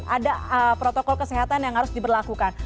ada protokol kesehatan yang harus diberlakukan